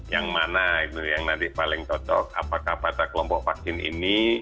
yang mana itu yang nanti paling cocok apakah pada kelompok vaksin ini